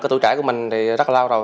cái tuổi trẻ của mình thì rất là lâu rồi